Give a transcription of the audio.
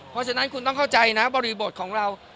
เพราะฉะนั้นคุณต้องเข้าใจนะบริบทของเรา